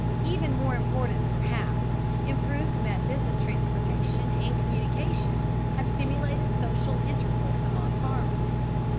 Even more important, perhaps, improved methods of transportation and communication have stimulated social intercourse among farmers.